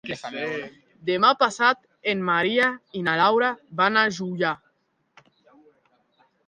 Demà passat en Maria i na Laura van a Juià.